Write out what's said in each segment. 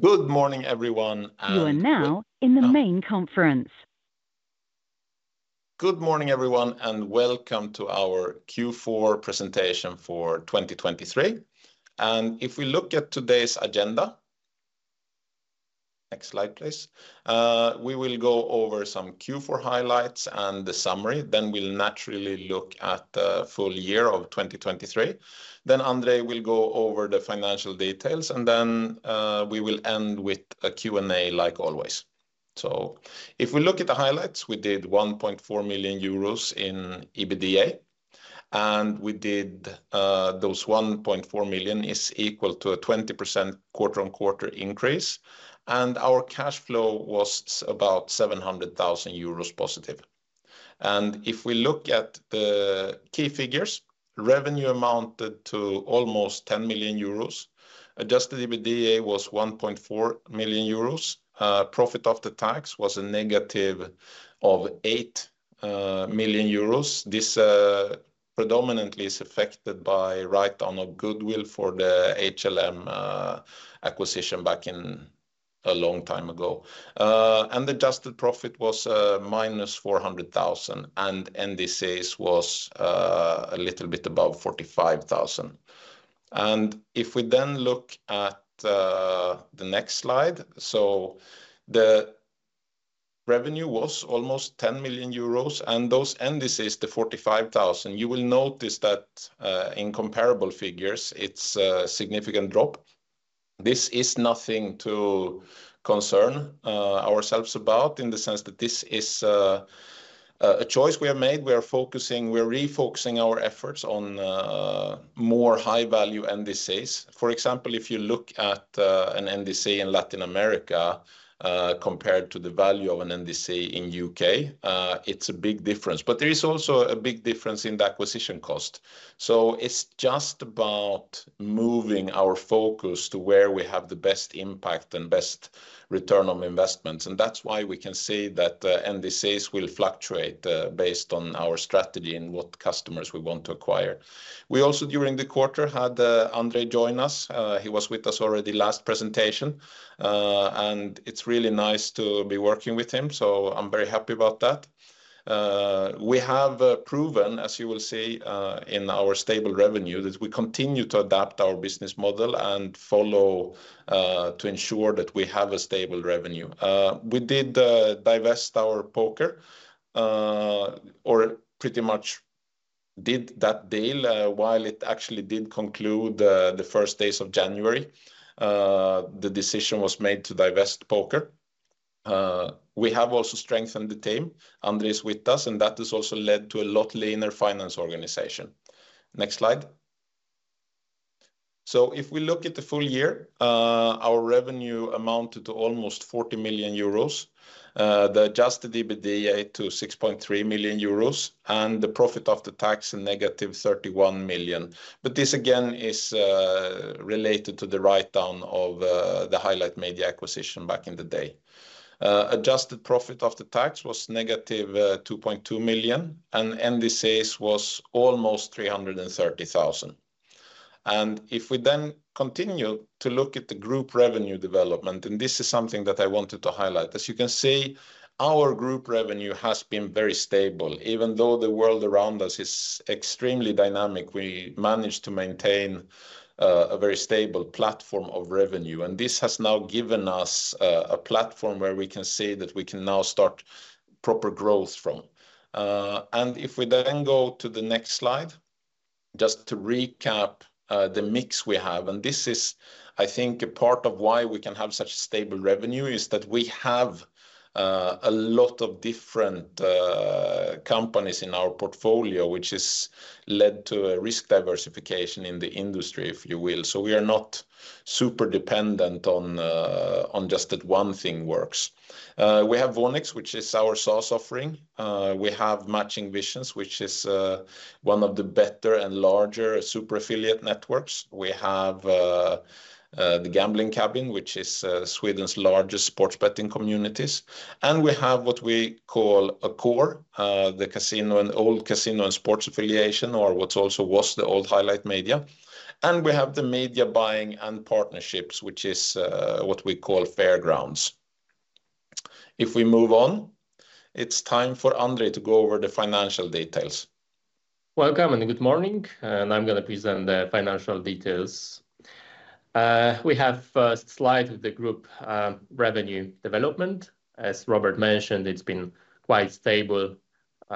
Good morning, everyone, and. You are now in the main conference. Good morning, everyone, and welcome to our Q4 presentation for 2023. If we look at today's agenda, next slide, please, we will go over some Q4 highlights and the summary, then we'll naturally look at the full year of 2023. Andrzej will go over the financial details, and then we will end with a Q&A like always. If we look at the highlights, we did 1.4 million euros in EBITDA, and we did, those 1.4 million is equal to a 20% quarter-on-quarter increase, and our cash flow was about 700,000 euros positive. If we look at the key figures, revenue amounted to almost 10 million euros, adjusted EBITDA was 1.4 million euros, profit after tax was a negative of 8 million euros. This predominantly is affected by write-down of goodwill for the HLM acquisition back a long time ago, and adjusted profit was -400,000, and NDCs was a little bit above 45,000. If we then look at the next slide, so the revenue was almost 10 million euros, and those NDCs, the 45,000, you will notice that in comparable figures it's a significant drop. This is nothing to concern ourselves about in the sense that this is a choice we have made. We are refocusing our efforts on more high-value NDCs. For example, if you look at an NDC in Latin America compared to the value of an NDC in the UK, it's a big difference. But there is also a big difference in the acquisition cost. So it's just about moving our focus to where we have the best impact and best return on investments. And that's why we can say that NDCs will fluctuate based on our strategy and what customers we want to acquire. We also, during the quarter, had Andrzej join us. He was with us already last presentation, and it's really nice to be working with him, so I'm very happy about that. We have proven, as you will see in our stable revenue, that we continue to adapt our business model and follow to ensure that we have a stable revenue. We did divest our poker, or pretty much did that deal while it actually did conclude the first days of January. The decision was made to divest poker. We have also strengthened the team. Andrzej is with us, and that has also led to a lot leaner finance organization. Next slide. So if we look at the full year, our revenue amounted to almost 40 million euros, the adjusted EBITDA to 6.3 million euros, and the profit after tax a -31 million. But this, again, is related to the write-down of the Highlight Media acquisition back in the day. Adjusted profit after tax was -2.2 million, and NDCs was almost 330,000. If we then continue to look at the group revenue development, and this is something that I wanted to highlight, as you can see, our group revenue has been very stable. Even though the world around us is extremely dynamic, we managed to maintain a very stable platform of revenue. This has now given us a platform where we can say that we can now start proper growth from. If we then go to the next slide, just to recap the mix we have, and this is, I think, a part of why we can have such a stable revenue, is that we have a lot of different companies in our portfolio, which has led to a risk diversification in the industry, if you will. So we are not super dependent on just that one thing works. We have Voonix, which is our SaaS offering. We have Matching Visions, which is one of the better and larger super affiliate networks. We have the Gambling Cabin, which is Sweden's largest sports betting community. And we have what we call a core, the old casino and sports affiliation, or what also was the old highlight media. And we have the media buying and partnerships, which is what we call Fairgrounds. If we move on, it's time for Andrzej to go over the financial details. Welcome, and good morning. And I'm going to present the financial details. We have a slide with the group revenue development. As Robert mentioned, it's been quite stable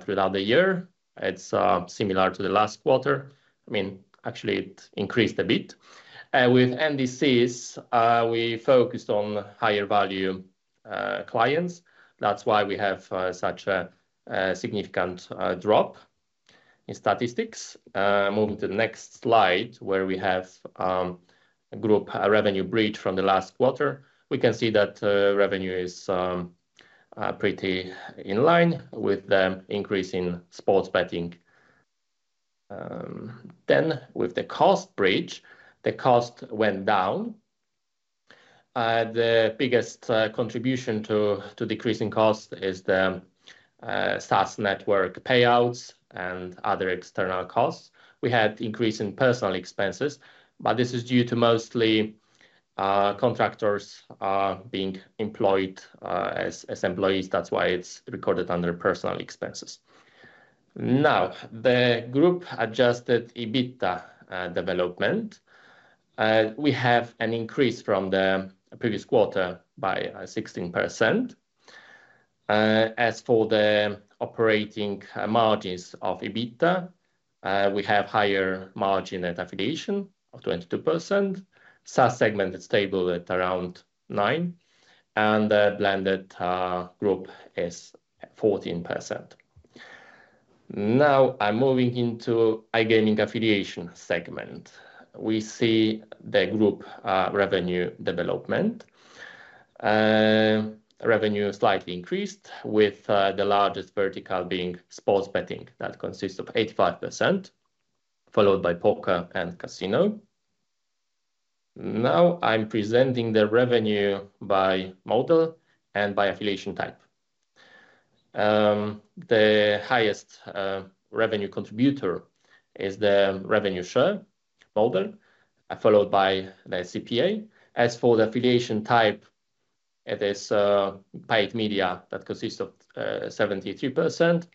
throughout the year. It's similar to the last quarter. I mean, actually, it increased a bit. With NDCs, we focused on higher-value clients. That's why we have such a significant drop in statistics. Moving to the next slide, where we have a group revenue bridge from the last quarter, we can see that revenue is pretty in line with the increase in sports betting. Then with the cost bridge, the cost went down. The biggest contribution to decreasing cost is the SaaS network payouts and other external costs. We had increasing personnel expenses, but this is due to mostly contractors being employed as employees. That's why it's recorded under personnel expenses. Now, the group adjusted EBITDA development. We have an increase from the previous quarter by 16%. As for the operating margins of EBITDA, we have higher margin at affiliation of 22%, SaaS segment is stable at around 9%, and the blended group is 14%. Now I'm moving into iGaming affiliation segment. We see the group revenue development. Revenue slightly increased, with the largest vertical being sports betting that consists of 85%, followed by poker and casino. Now I'm presenting the revenue by model and by affiliation type. The highest revenue contributor is the revenue share model, followed by the CPA. As for the affiliation type, it is paid media that consists of 73%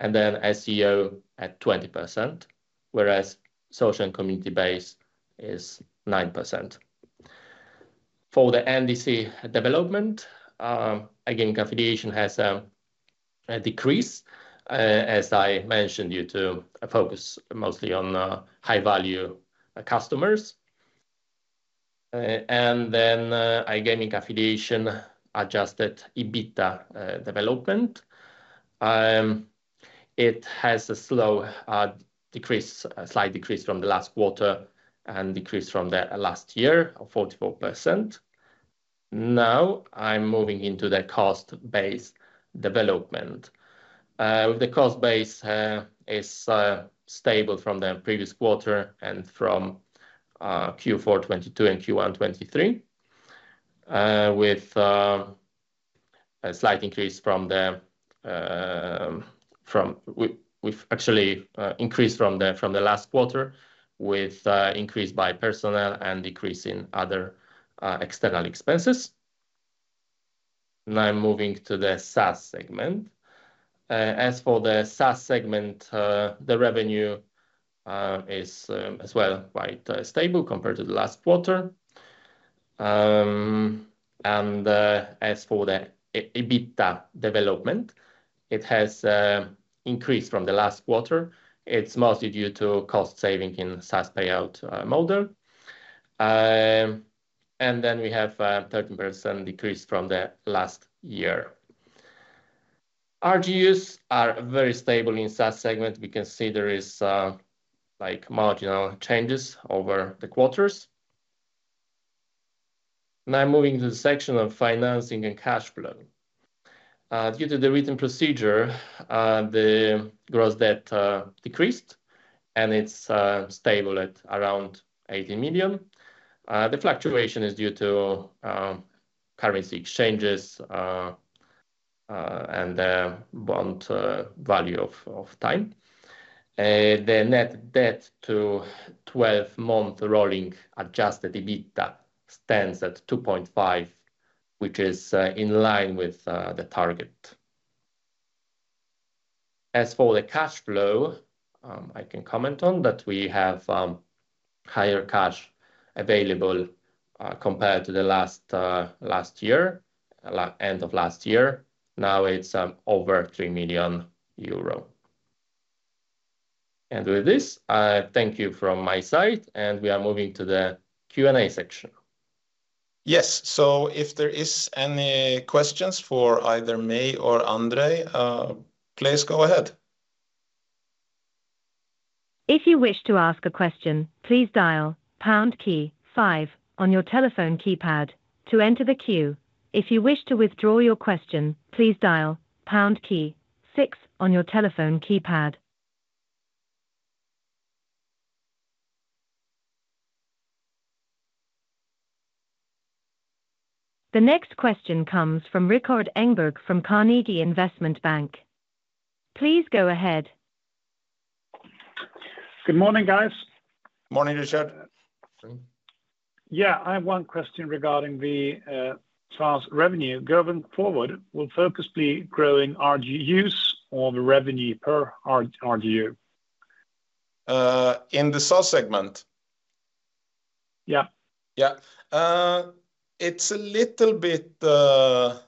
and then SEO at 20%, whereas social and community base is 9%. For the NDC development, again, affiliation has a decrease, as I mentioned, due to a focus mostly on high-value customers. And then iGaming affiliation adjusted EBITDA development. It has a slight decrease from the last quarter and decrease from the last year of 44%. Now I'm moving into the cost base development. The cost base is stable from the previous quarter and from Q4 2022 and Q1 2023, with a slight increase from the, actually, increase from the last quarter with an increase by personnel and decrease in other external expenses. Now I'm moving to the SaaS segment. As for the SaaS segment, the revenue is as well quite stable compared to the last quarter. As for the EBITDA development, it has increased from the last quarter. It's mostly due to cost saving in SaaS payout model. Then we have a 13% decrease from the last year. RGUs are very stable in the SaaS segment. We can see there are marginal changes over the quarters. Now I'm moving to the section of financing and cash flow. Due to the written procedure, the gross debt decreased, and it's stable at around 18 million. The fluctuation is due to currency exchanges and the bond value of time. The net debt to 12-month rolling adjusted EBITDA stands at 2.5, which is in line with the target. As for the cash flow, I can comment on that we have higher cash available compared to the last year, end of last year. Now it's over 3 million euro. And with this, thank you from my side, and we are moving to the Q&A section. Yes, so if there are any questions for either me or Andrzej, please go ahead. If you wish to ask a question, please dial pound key 5 on your telephone keypad to enter the queue. If you wish to withdraw your question, please dial pound key 6 on your telephone keypad. The next question comes from Rikard Engberg from Carnegie Investment Bank. Please go ahead. Good morning, guys. Morning, Rikard. Yeah, I have one question regarding the SaaS revenue. Going forward, will focus be growing RGUs or the revenue per RGU? In the SaaS segment? Yeah. Yeah. It's a little bit of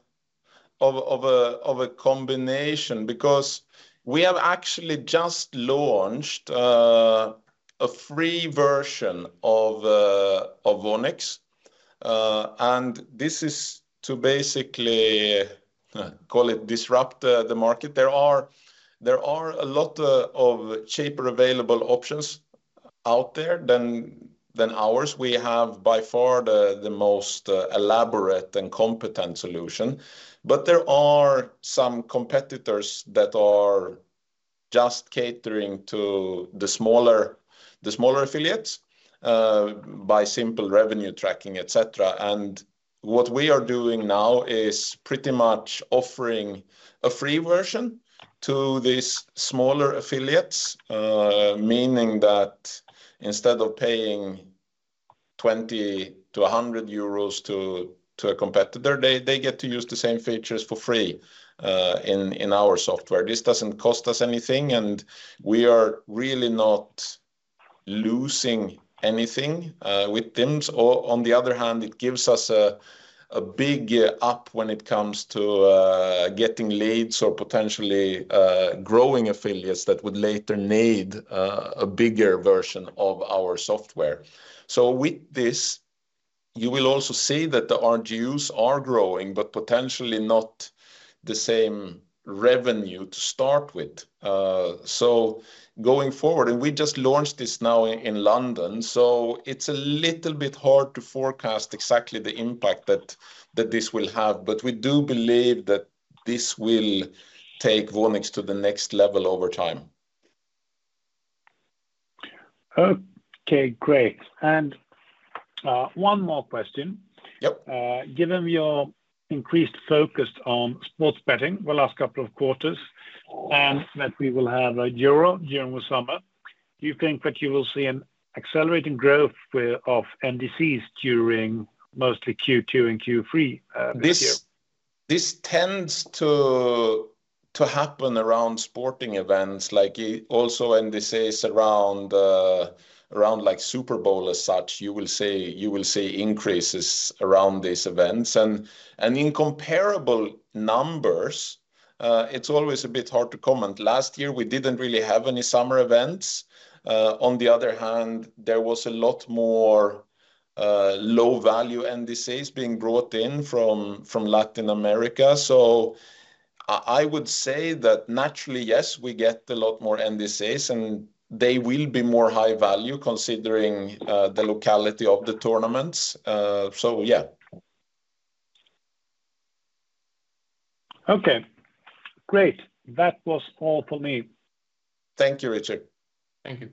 a combination because we have actually just launched a free version of Voonix, and this is to basically call it disrupt the market. There are a lot of cheaper available options out there than ours. We have by far the most elaborate and competent solution, but there are some competitors that are just catering to the smaller affiliates by simple revenue tracking, etc. And what we are doing now is pretty much offering a free version to these smaller affiliates, meaning that instead of paying 20-100 euros to a competitor, they get to use the same features for free in our software. This doesn't cost us anything, and we are really not losing anything with them. On the other hand, it gives us a big up when it comes to getting leads or potentially growing affiliates that would later need a bigger version of our software. So with this, you will also see that the RGUs are growing, but potentially not the same revenue to start with. So going forward, and we just launched this now in London, so it's a little bit hard to forecast exactly the impact that this will have, but we do believe that this will take Voonix to the next level over time. Okay, great. One more question. Given your increased focus on sports betting the last couple of quarters and that we will have a EURO during the summer, do you think that you will see an accelerating growth of NDCs during mostly Q2 and Q3 this year? This tends to happen around sporting events. Also, NDCs around Super Bowl as such, you will see increases around these events. In comparable numbers, it's always a bit hard to comment. Last year, we didn't really have any summer events. On the other hand, there was a lot more low-value NDCs being brought in from Latin America. I would say that naturally, yes, we get a lot more NDCs, and they will be more high-value considering the locality of the tournaments. So yeah. Okay, great. That was all for me. Thank you, Rikard. Thank you.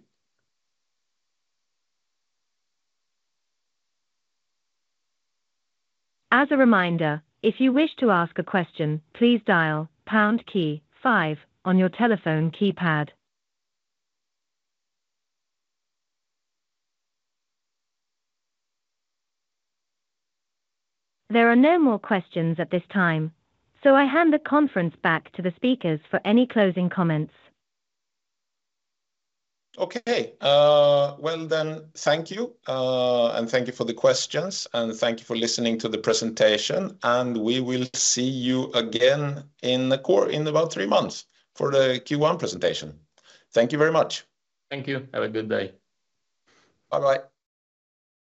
As a reminder, if you wish to ask a question, please dial pound key 5 on your telephone keypad. There are no more questions at this time, so I hand the conference back to the speakers for any closing comments. Okay. Well then, thank you, and thank you for the questions, and thank you for listening to the presentation. We will see you again in about three months for the Q1 presentation. Thank you very much. Thank you. Have a good day. Bye-bye.